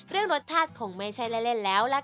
เรื่องรสชาติคงไม่ใช่เล่นแล้วล่ะค่ะ